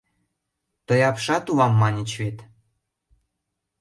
Тый апшат улам маньыч вет?..